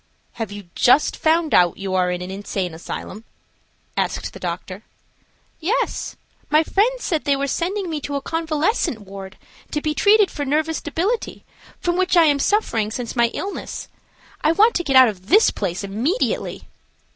"Have you just found out you are in an insane asylum?" asked the doctor. "Yes; my friends said they were sending me to a convalescent ward to be treated for nervous debility, from which I am suffering since my illness. I want to get out of this place immediately."